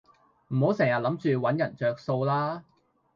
唔好成人諗住搵人着數啦